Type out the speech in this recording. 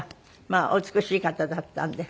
まあお美しい方だったんで。